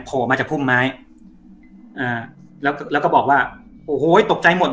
โผล่มาจากพุ่มไม้อ่าแล้วก็บอกว่าโอ้โหตกใจหมด